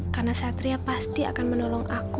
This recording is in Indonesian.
karena satria pasti akan menolong aku